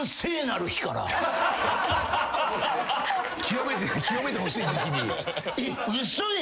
清めてほしい時期に。